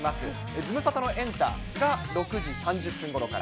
ズムサタのエンタが６時３０分ごろから。